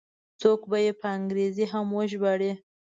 څوک به یې په انګریزي هم وژباړي.